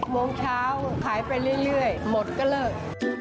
โมงเช้าขายไปเรื่อยหมดก็เลิก